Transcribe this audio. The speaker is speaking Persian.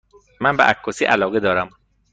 من به عکاسی علاقه دارم.